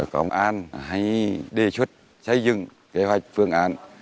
công an hay đề xuất xây dựng kế hoạch phương án